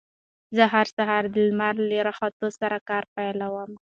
زه هر سهار د لمر له راختو سره کار پيلوم.